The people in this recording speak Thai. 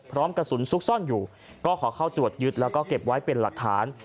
กระสุนซุกซ่อนอยู่ก็ขอเข้าตรวจยึดแล้วก็เก็บไว้เป็นหลักฐาน